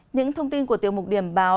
những thông tin của tiếng mục điểm báo